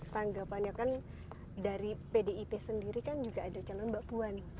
tanggapannya kan dari pdip sendiri kan juga ada calon mbak puan